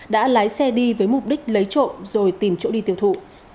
đã lái xe đi với mục đích lấy trộm rồi tìm chỗ đi tiêu thụ